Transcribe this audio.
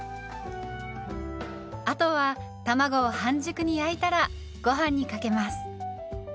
あとは卵を半熟に焼いたらごはんにかけます。